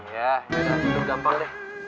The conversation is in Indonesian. iya yaudah itu gampang deh